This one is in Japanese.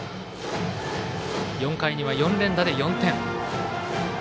４回には４連打で４点。